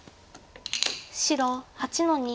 白８の二。